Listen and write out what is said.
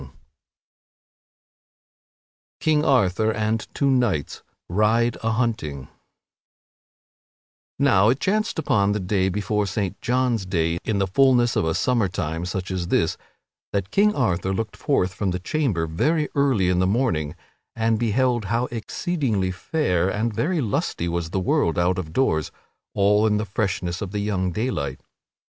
[Sidenote: King Arthur and two knights ride a hunting] Now it chanced upon the day before Saint John's day in the fulness of a summer time such as this, that King Arthur looked forth from his chamber very early in the morning and beheld how exceedingly fair and very lusty was the world out of doors all in the freshness of the young daylight.